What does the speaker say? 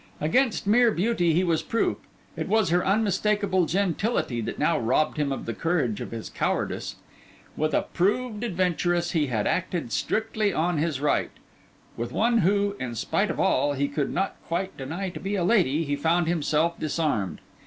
Against mere beauty he was proof: it was her unmistakable gentility that now robbed him of the courage of his cowardice. With a proved adventuress he had acted strictly on his right; with one who, in spite of all, he could not quite deny to be a lady, he found himself disarmed.